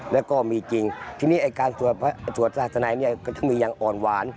แล้วก็มีจริงทีนี้ไอ้การสวดศาสนาัยเนี่ยก็จะมีอย่างอ่อนหวาน